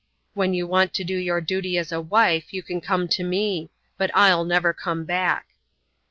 When you want to do your duty as a wife you can come to me. But I'll never come back."